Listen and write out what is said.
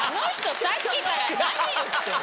さっきから何言ってんの。